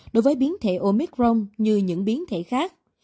đối với biến thể omicron như những biến thể khác